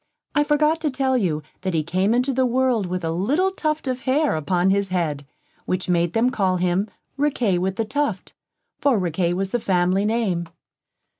I forgot to tell you, that he came into the world with a little tuft of hair upon his head, which made them call him Riquet with the Tuft, for Riquet was the family name.